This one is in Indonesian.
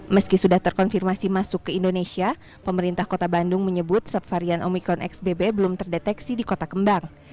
meski sudah terkonfirmasi masuk ke indonesia pemerintah kota bandung menyebut subvarian omikron xbb belum terdeteksi di kota kembang